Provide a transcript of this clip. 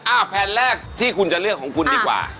แผ่นแรกที่คุณจะเลือกของคุณดีกว่า